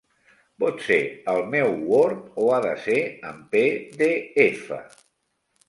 Pot ser el meu word o ha de ser en pe de efa?